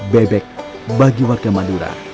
bebek bagi warga madura